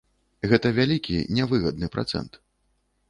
Гэта вялікі, нявыгадны працэнт.